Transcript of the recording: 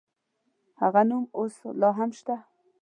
هغه نوم اوس لا هم شته.